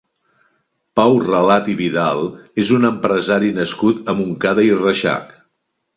Pau Relat i Vidal és un empresari nascut a Montcada i Reixac.